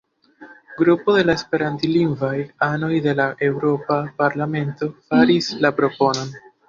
Grupo de esperantlingvaj anoj de la eŭropa parlamento faris la proponon.